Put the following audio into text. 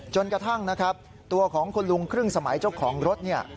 จนกระทั่งตัวของคุณลุงครึ่งสมัยเจ้าของรถ